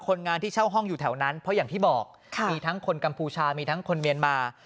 คนงานที่เช่าห้องอยู่แถวนั้นเพราะอย่างที่บอกมีทั้งคนกัมพูชามีทั้งคนเมียนมา